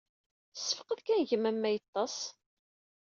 Ssefqed kan gma-m ma yeṭṭes?